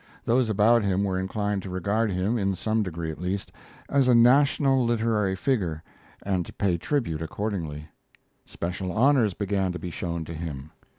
Those about him were inclined to regard him, in some degree at least, as a national literary figure and to pay tribute accordingly. Special honors began to be shown to him.